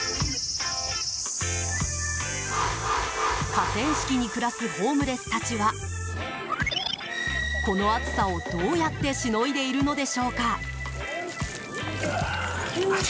河川敷に暮らすホームレスたちはこの暑さを、どうやってしのいでいるのでしょうか？